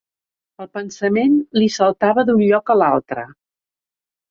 El pensament li saltava d’un lloc a l’altre